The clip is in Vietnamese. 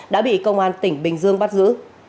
đã bị công an tỉnh bình dương bắt giữ